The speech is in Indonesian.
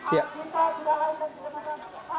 kita tidak akan dikenakan